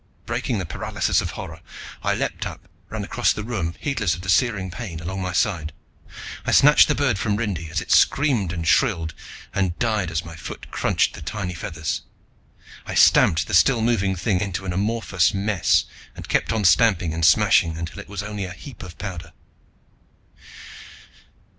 Breaking my paralysis of horror I leaped up, ran across the room, heedless of the searing pain along my side. I snatched the bird from Rindy and it screamed and shrilled and died as my foot crunched the tiny feathers. I stamped the still moving thing into an amorphous mess and kept on stamping and smashing until it was only a heap of powder.